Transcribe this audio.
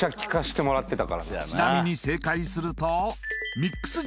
ちなみに正解するとみっくす